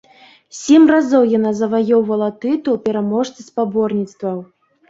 Сем разоў яна заваёўвала тытул пераможцы спаборніцтваў.